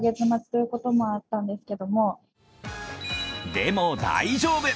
でも大丈夫！